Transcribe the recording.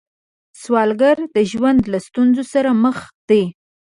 سوالګر د ژوند له ستونزو سره مخ دی